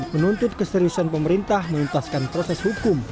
menuntut keseriusan pemerintah menuntaskan proses hukum